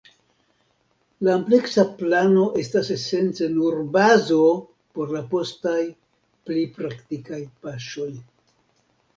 La ampleksa plano estas esence nur bazo por la postaj, pli praktikaj paŝoj.